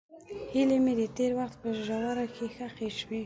هیلې مې د تېر وخت په ژوره کې ښخې شوې.